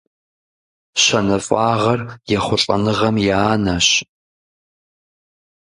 Щэныфӏагъэр ехъулӏэныгъэм и анэщ.